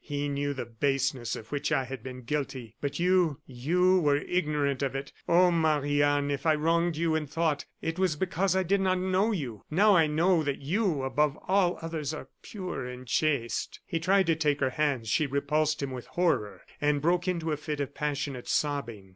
He knew the baseness of which I had been guilty; but you you were ignorant of it. Oh! Marie Anne, if I wronged you in thought it was because I did not know you. Now I know that you, above all others, are pure and chaste." He tried to take her hands; she repulsed him with horror; and broke into a fit of passionate sobbing.